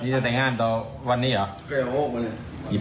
สวัสดีครับ